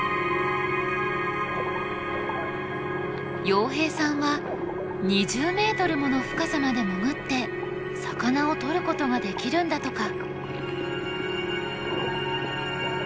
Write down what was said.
洋平さんは２０ｍもの深さまで潜って魚をとることができるんだとか。